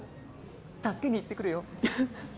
助けに行ってくるよ。